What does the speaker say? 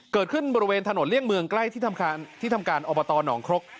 เกิดขึ้นบริเวณถนนเลี่ยงเมืองใกล้ที่ทำการอบตหนองครก